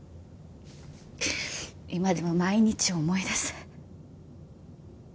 今でも毎日思い出す。